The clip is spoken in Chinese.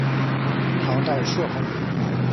唐代朔方人。